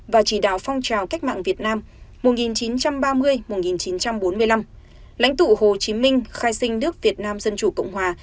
và chỉ đạo phong trào cách mạng việt nam một nghìn chín trăm ba mươi một nghìn chín trăm bốn mươi năm lãnh tụ hồ chí minh khai sinh nước việt nam dân chủ cộng hòa